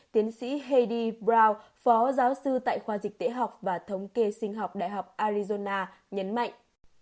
tiến sĩ heidi brown phó giáo sư tại khoa dịch tế học và thống kê sinh học đại học arizona nhấn mạnh